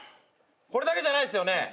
これだけじゃないっすよね。